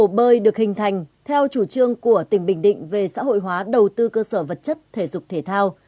hồ bơi được hình thành theo chủ trương của tỉnh bình định về xã hội hóa đầu tư cơ sở vật chất thể dục thể thao